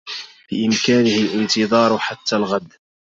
بإمكانه الانتظار حتى الغد.